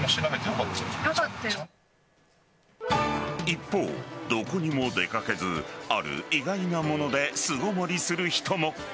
一方、どこにも出掛けずある意外なもので巣ごもりする人も。